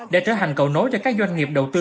để trở thành cầu nối cho các doanh nghiệp đầu tư